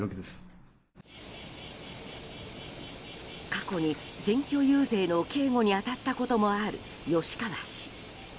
過去に選挙遊説の警護に当たったこともある吉川氏。